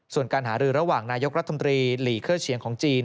ส่วนการหารือระหว่างนายกรัฐมนตรีหลีเคอร์เฉียงของจีน